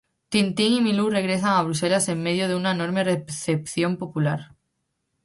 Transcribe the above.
Tintín y Milú regresan a Bruselas en medio de una enorme recepción popular.